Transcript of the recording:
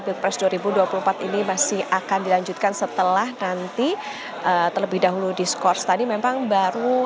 pilpres dua ribu dua puluh empat ini masih akan dilanjutkan setelah nanti terlebih dahulu diskurs tadi memang baru